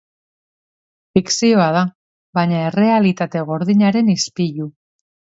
Fikzioa da baina errealitate gordinaren ispilu.